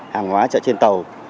hàng hóa chạy trên tàu